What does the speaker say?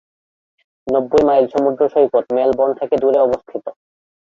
নব্বই মাইল সমুদ্র সৈকত মেলবোর্ন থেকে দূরে অবস্থিত।